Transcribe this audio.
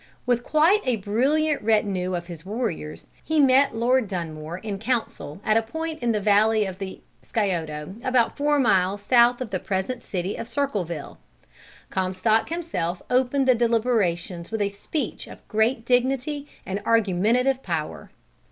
With quite a brilliant retinue of his warriors, he met Lord Dunmore in council at a point in the valley of the Scioto, about four miles south of the present city of Circleville. Comstock himself opened the deliberations with a speech of great dignity and argumentative power.